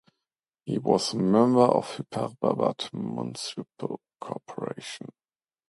He was Member of Hyderabad Municipal Corporation.